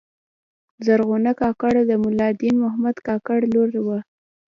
زرغونه کاکړه د ملا دین محمد کاکړ لور وه.